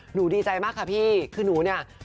ดีใจมากค่ะพี่คือหนูเนี่ย